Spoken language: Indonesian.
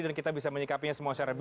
dan kita bisa menyikapinya